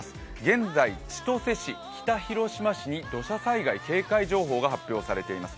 現在、千歳市、北広島市に土砂災害警戒情報が発表されています。